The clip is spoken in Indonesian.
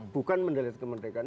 bukan mendekat kemerdekaan